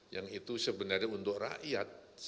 yang itu sebenarnya untuk rakyat